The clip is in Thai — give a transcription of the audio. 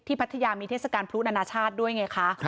พัทยามีเทศกาลพลุนานาชาติด้วยไงคะ